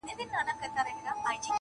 یو ګیدړ کښته له مځکي ورکتله-